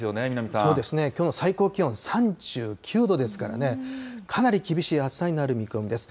そうですね、きょうの最高気温３９度ですからね、かなり厳しい暑さになる見込みです。